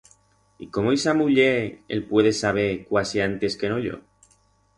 Y cómo ixa muller el puede saber cuasi antes que no yo?